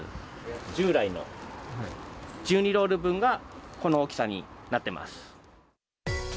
従来の１２ロール分がこの大きさになってます。